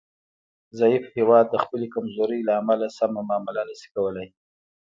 ضعیف هیواد د خپلې کمزورۍ له امله سمه معامله نشي کولای